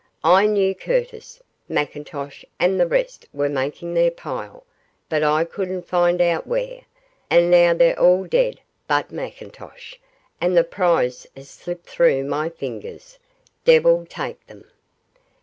'I knew Curtis, McIntosh and the rest were making their pile, but I couldn't find out where; and now they're all dead but McIntosh, and the prize has slipped through my fingers, devil take them!